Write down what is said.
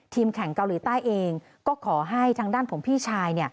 แข่งเกาหลีใต้เองก็ขอให้ทางด้านของพี่ชาย